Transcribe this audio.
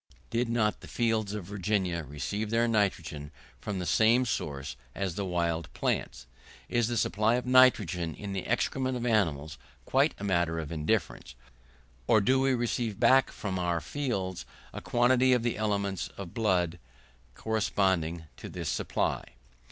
Did not the fields of Virginia receive their nitrogen from the same source as wild plants? Is the supply of nitrogen in the excrements of animals quite a matter of indifference, or do we receive back from our fields a quantity of the elements of blood corresponding to this supply?